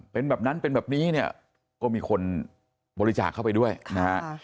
เป็นแบบนั้นเป็นแบบนี้เนี่ยก็มีคนบริจาคเข้าไปด้วยนะฮะ